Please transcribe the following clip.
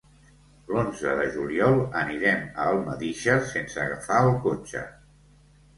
L'onze de juliol anirem a Almedíxer sense agafar el cotxe.